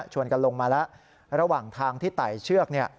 ชวนกันลงมาแล้วระหว่างทางที่ไต่เชือก